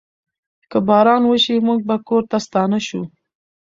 که باران وشي، موږ به کور ته ستانه شو.